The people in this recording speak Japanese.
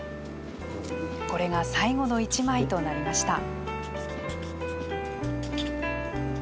これが最後の一枚となりました。